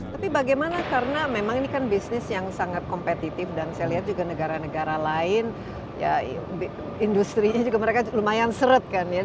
tapi bagaimana karena memang ini kan bisnis yang sangat kompetitif dan saya lihat juga negara negara lain ya industri nya juga mereka lumayan seret kan ya